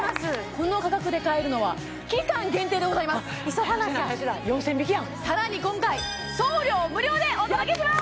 この価格で買えるのは期間限定でございます急がないと早くせな４０００円引きやんさらに今回送料無料でお届けします